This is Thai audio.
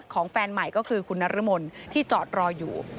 คุณนรมนท์ที่จอดรออยู่